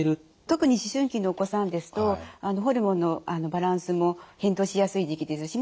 特に思春期のお子さんですとホルモンのバランスも変動しやすい時期ですし